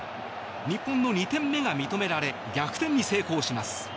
日本の２点目が認められ逆転に成功します。